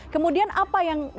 kemudian apa yang kita lakukan